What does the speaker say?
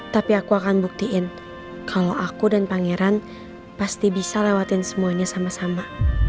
tapi aku akan buktiin kalau aku dan pangeran pasti bisa lewatin semuanya sama sama